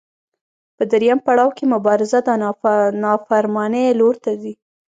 په درېیم پړاو کې مبارزه د نافرمانۍ لور ته ځي.